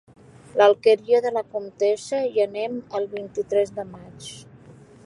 A l'Alqueria de la Comtessa hi anem el vint-i-tres de maig.